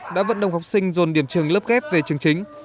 đã vận động học sinh dồn điểm trường lớp ghép về trường chính